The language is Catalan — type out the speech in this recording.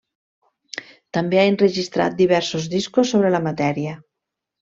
També ha enregistrat diversos discos sobre la matèria.